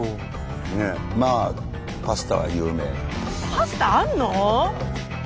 パスタあるの？